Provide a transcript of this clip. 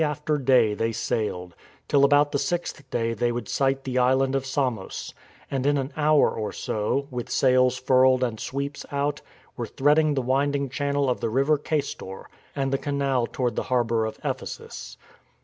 238 STORM AND STRESS day they sailed, till about the sixth day they would sight the island of Samos, and in an hour or so, with sails furled and sweeps out, were threading the wind ing channel of the River Caistor and the canal toward the harbour of Ephesus.